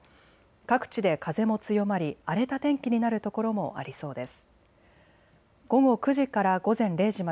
各地で風も強まり荒れた天気になる所もありそうです。